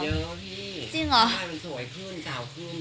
เปลี่ยนเยอะพี่จริงหรอถ้าบ้านมันสวยขึ้นสาวขึ้น